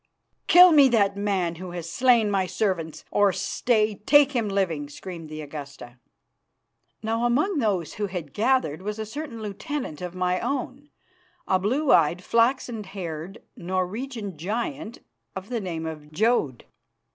"Kill me that man who has slain my servants, or stay take him living," screamed the Augusta. Now among those who had gathered was a certain lieutenant of my own, a blue eyed, flaxen haired Norwegian giant of the name of Jodd.